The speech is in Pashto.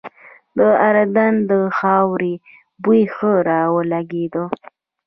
د اردن د خاورې بوی ښه را ولګېده.